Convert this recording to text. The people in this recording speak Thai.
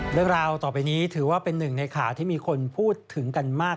เรื่องราวต่อไปนี้ถือว่าเป็นหนึ่งในข่าวที่มีคนพูดถึงกันมาก